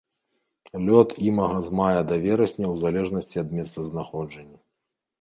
Лёт імага з мая да верасня ў залежнасці ад месцазнаходжання.